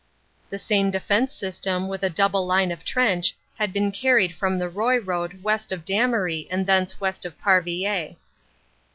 The same defense system, with a double line of trench, had been carried from the Roye Road west of Damery and thence west of Parvillers.